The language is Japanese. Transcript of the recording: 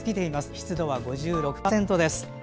湿度は５６％です。